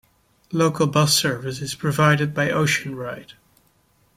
Local bus service is provided by Ocean Ride.